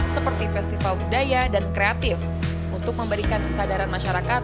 seperti festival budaya dan kreatif untuk memberikan kesadaran masyarakat